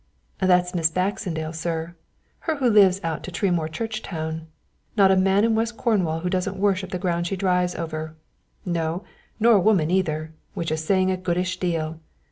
"That's Miss Baxendale, sir, her who lives out to Tremoor Churchtown; not a man in West Cornwall who doesn't worship the ground she drives over no, nor a woman either, which is saying a goodish deal.